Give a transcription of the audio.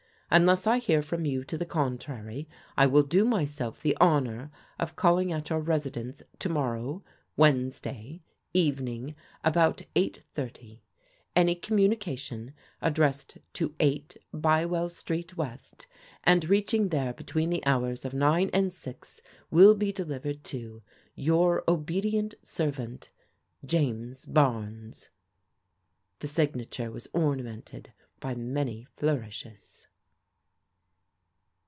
Unless I hear from you to the contrary I will do myself the honour of calling at your residence to morrow (Wednesday) evening about 8:30. Any communication, addressed to 8, Bywell St. W., and reaching there between the hours of 9 and 6, will be delivered to " Your obedient servant, " James Barnes." The signature was ornamented by many flourishes.